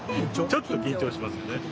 ちょっと緊張しますよね。